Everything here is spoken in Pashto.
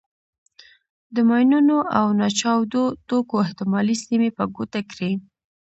د ماینونو او ناچاودو توکو احتمالي سیمې په ګوته کړئ.